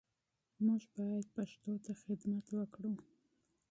موږ باید پښتو ته خدمت وکړو